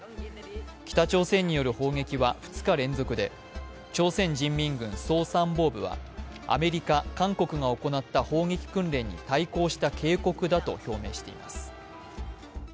北朝鮮による砲撃は２日連続で朝鮮人民軍総参謀部はアメリカ、韓国が行った砲撃訓練に対抗した警告だと表明しています。